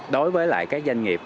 đối với các doanh nghiệp